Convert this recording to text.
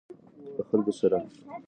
له خلکو سره.